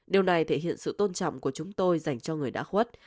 điều này thể hiện sự tôn trọng của chúng tôi dành cho người đã khuất